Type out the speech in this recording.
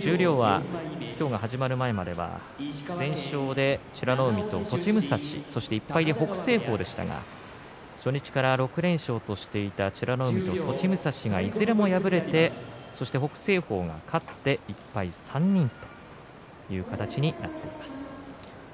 十両は今日が始まる前までは全勝で美ノ海と栃武蔵１敗で北青鵬でしたが初日から６連勝としていた美ノ海と栃武蔵がいずれも敗れて北青鵬が勝って、１敗３人という形になっています。